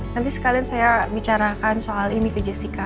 nanti sekalian saya bicarakan soal ini ke jessica